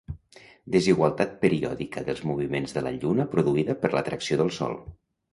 Desigualtat periòdica dels moviments de la Lluna produïda per l'atracció del Sol.